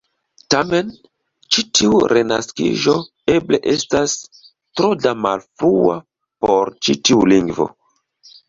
Tamen, ĉi tiu "renaskiĝo" eble estas tro da malfrua por ĉi tiu lingvo.